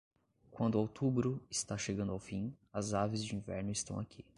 Quando outubro está chegando ao fim, as aves de inverno estão aqui.